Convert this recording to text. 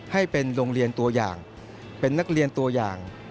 ให้เป็นโรงเรียนตัวอย่างเป็นนักเรียนตัวอย่าง